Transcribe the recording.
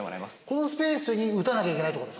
このスペースに打たなきゃいけないってこと？